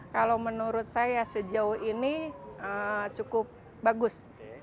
kalau menurut saya sejauh ini cukup bagus